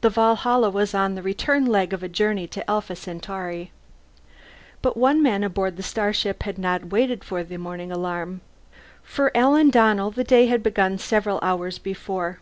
The Valhalla was on the return leg of a journey to Alpha Centauri. But one man aboard the starship had not waited for the morning alarm. For Alan Donnell the day had begun several hours before.